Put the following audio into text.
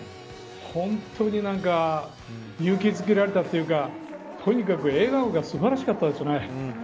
本当に勇気づけられたというかとにかく笑顔が素晴らしかったですね。